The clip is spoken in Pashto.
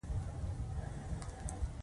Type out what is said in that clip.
درې هفتې په کندهار کښې وو.